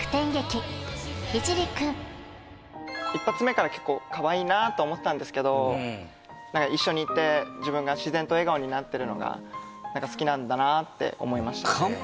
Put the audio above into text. １発目から結構かわいいなと思ってたんですけど一緒にいて自分が自然と笑顔になってるのが好きなんだなって思いましたね